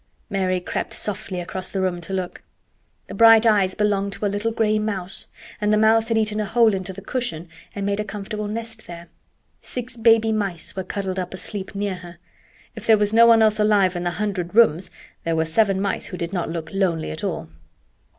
Mary crept softly across the room to look. The bright eyes belonged to a little gray mouse, and the mouse had eaten a hole into the cushion and made a comfortable nest there. Six baby mice were cuddled up asleep near her. If there was no one else alive in the hundred rooms there were seven mice who did not look lonely at all.